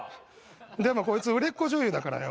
でもこいつ売れっ子女優だからよ